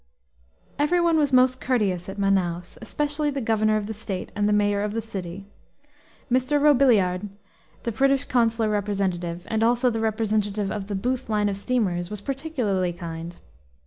Every one was most courteous at Manaos, especially the governor of the state and the mayor of the city. Mr. Robiliard, the British consular representative, and also the representative of the Booth line of steamers, was particularly kind.